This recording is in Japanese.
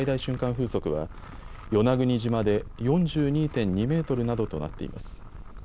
風速は与那国島で４２．２メートルなどとなっています。